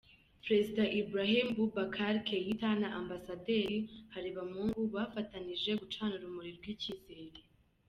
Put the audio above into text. Perezida Ibrahim Boubacar Keita na Ambasaderi Harebamungu, bafatanije gucana urumuri rw’icyizere.